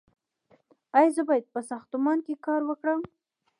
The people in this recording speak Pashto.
ایا زه باید په ساختمان کې کار وکړم؟